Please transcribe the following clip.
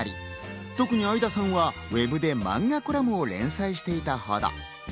特に相田さんはウェブでマンガコラムを連載していたほど。